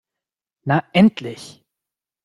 Na endlich!